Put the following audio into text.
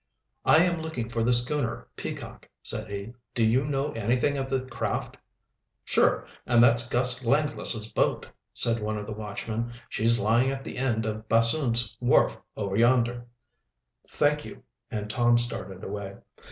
"I am looking for the schooner Peacock," said he. "Do you know anything of the craft?" "Sure, an' that's Gus Langless' boat," said one of the watchmen. "She's lying at the end of Bassoon's wharf, over yonder." "Thank you," and Tom started away.